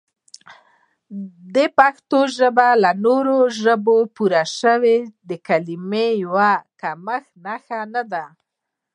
د پښتو ژبې له نورو ژبو پورشوي کلمې د یو کمښت نښه نه ده